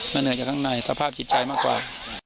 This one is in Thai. เหนื่อยจากข้างในสภาพจิตใจมากกว่า